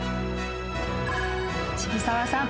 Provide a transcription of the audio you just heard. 渋沢さん